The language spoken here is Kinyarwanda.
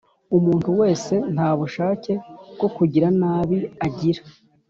Umuntu wese nta bushake bwo kugira nabi agira